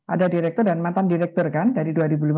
ada direktur dan mantan direktur kan dari dua ribu lima belas